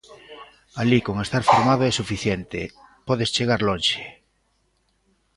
Alí con estar formado é suficiente, podes chegar lonxe.